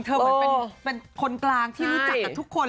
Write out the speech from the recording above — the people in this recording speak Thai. เหมือนเป็นคนกลางที่รู้จักกับทุกคน